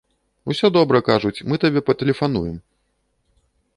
Усё добра, кажуць, мы табе патэлефануем.